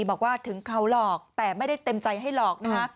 บอกว่าถึงเขาหรอกแต่ไม่ได้เต็มใจให้หรอกนะคะ